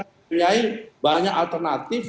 mempunyai banyak alternatif